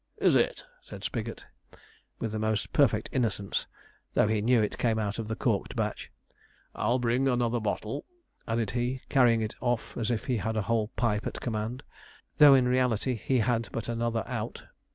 'Is it?' said Spigot, with the most perfect innocence, though he knew it came out of the corked batch. 'I'll bring another bottle,' added he, carrying it off as if he had a whole pipe at command, though in reality he had but another out.